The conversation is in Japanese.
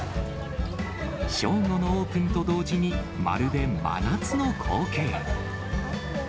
正午のオープンと同時に、まるで真夏の光景。